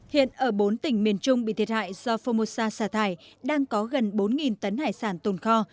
hiện ở bốn tỉnh miền trung bị thiệt hại do formosa xả thải đang có gần bốn tấn hải sản tồn kho